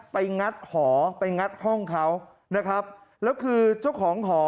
งัดหอไปงัดห้องเขานะครับแล้วคือเจ้าของหอ